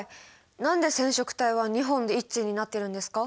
何で染色体は２本で一対になってるんですか？